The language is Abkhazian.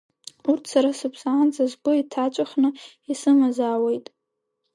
Урҭ сара сыԥсаанӡа сгәы иҭаҵәахны исымазаауеит.